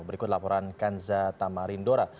berikut laporan kanza tamarindora